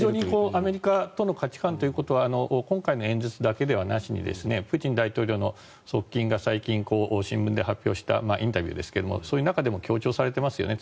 アメリカの価値観というのは今回の演説だけではなしにプーチン大統領の側近が最近新聞で発表したインタビューですがそういう中でも強調されていますよね。